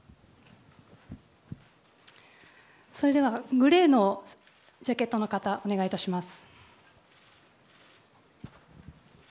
それではグレーのジャケットの方お願いいたします。